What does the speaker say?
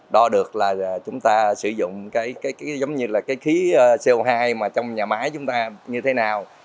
đo được là chúng ta sử dụng giống như là cái khí co hai mà trong nhà máy chúng ta như thế nào